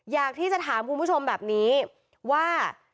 อยากที่จะถามคุณผู้ชมแบบนี้ว่า